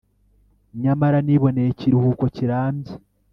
nyamara niboneye ikiruhuko kirambye.